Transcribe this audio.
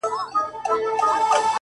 پر ما خوښي لكه باران را اوري ـ